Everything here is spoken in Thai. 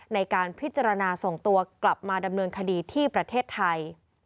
ในการพิจารณาส่งตัวกลับมาดำเนินคดีที่ประเทศไทย